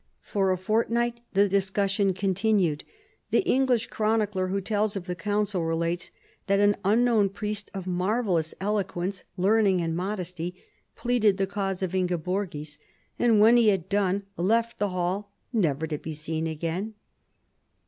For a fortnight the discussion con tinued. The English chronicler who tells of the council relates that an unknown priest of marvellous eloquence, learning, and modesty, pleaded the cause of Ingeborgis, and when he had done left the hall never to be seen again.